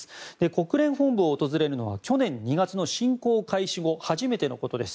国連本部を訪れるのは去年２月の侵攻開始後初めてです。